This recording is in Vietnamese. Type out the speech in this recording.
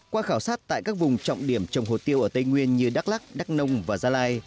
qua khảo sát tại các vùng trọng điểm trồng hồ tiêu ở tây nguyên như đắk lắc đắk nông và gia lai